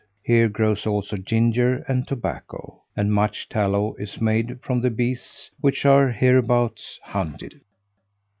Here grows also ginger and tobacco, and much tallow is made of the beasts which are hereabouts hunted.